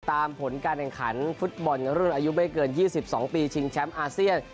ผลการแข่งขันฟุตบอลรุ่นอายุไม่เกิน๒๒ปีชิงแชมป์อาเซียน